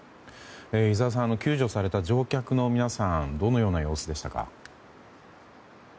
井澤さん救助された乗客の皆さんどのような様子でしたか？